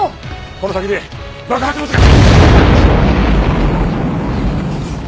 この先で爆発物が！